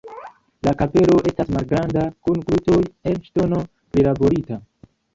La kapelo estas malgranda kun krucoj el ŝtono prilaborita.